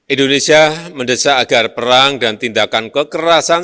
indonesia mendesak agar perang dan tindakan kekerasan